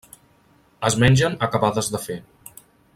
Es mengen acabades de fer.